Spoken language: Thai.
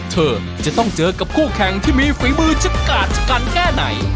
เธอจะต้องเจอกับคู่แข่งที่มีฝีมือจะกาดชะกันแค่ไหน